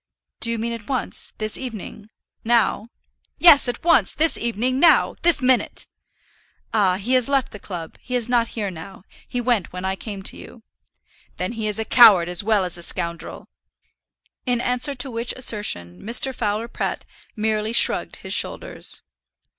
"Do you mean at once this evening, now?" "Yes, at once this evening, now; this minute." "Ah; he has left the club; he is not here now; he went when I came to you." "Then he is a coward as well as a scoundrel." In answer to which assertion, Mr. Fowler Pratt merely shrugged his shoulders.